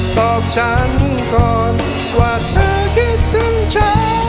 บอกฉันก่อนว่าเธอคิดถึงฉัน